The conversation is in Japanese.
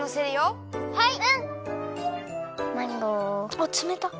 あっつめたっ。